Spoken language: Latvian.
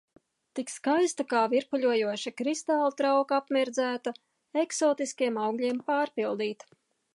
Tik skaista, kā virpuļojoša kristāla trauka apmirdzēta, eksotiskiem augļiem pārpildīta.